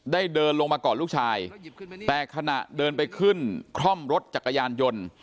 เดินลงมาก่อนลูกชายแต่ขณะเดินไปขึ้นคล่อมรถจักรยานยนต์